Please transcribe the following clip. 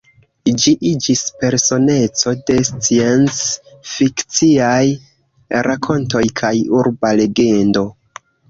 Gi iĝis personeco de scienc-fikciaj rakontoj kaj urba legendo.